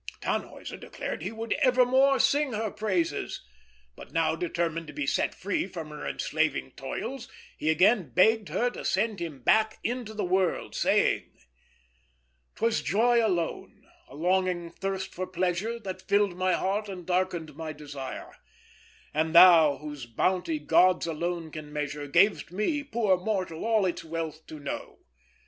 Tannhäuser declared he would evermore sing her praises; but now determined to be set free from her enslaving toils, he again begged her to send him back into the world, saying: "'Twas joy alone, a longing thirst for pleasure, That fill'd my heart, and darkened my desire: And thou, whose bounty gods alone can measure, Gav'st me, poor mortal, all its wealth to know.